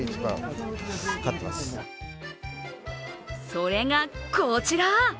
それがこちら。